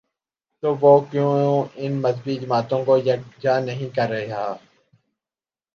تو وہ کیوں ان مذہبی جماعتوں کو یک جا نہیں کر رہا؟